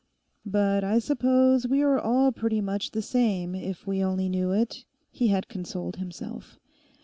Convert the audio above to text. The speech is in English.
'But I suppose we are all pretty much the same, if we only knew it,' he had consoled himself.